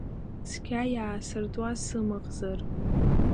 Цқьа иаасыртуа сымахзар…